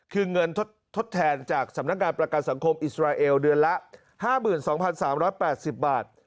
คือเงินทดแทนจากสำนักงานประกันสังคมอิสราเอลเดือนละ๕๒๓๘๐บาท